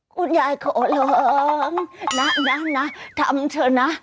คุณยายขอล้องนะทำเถอะนะ